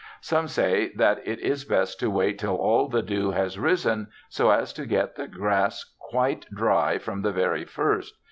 Some say that it is best to wait till all the dew has risen, so as to get the grass quite dry from the very first.